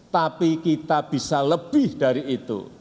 tapi kita bisa lebih dari itu